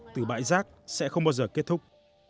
từ bãi rác sẽ không bao giờ kết thúc